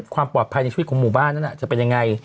ความปลอดภัยในชีวิตของหมู่บ้านนั้นจะเป็นยังไง